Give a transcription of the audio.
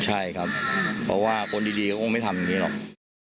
ใช่ครับเพราะว่าคนดีเขาคงไม่ทำอย่างนี้หรอก